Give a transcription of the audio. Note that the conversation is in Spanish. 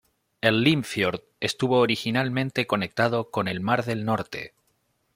El Limfjord estuvo originalmente conectado con el mar del Norte.